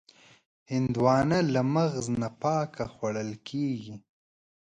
هندوانه له مغز نه پاکه خوړل کېږي.